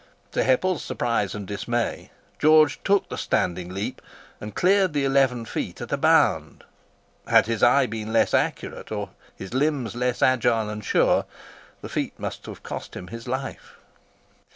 To Heppel's surprise and dismay, George took the standing leap, and cleared the eleven feet at a bound. Had his eye been less accurate, or his limbs less agile and sure, the feat must have cost him his life.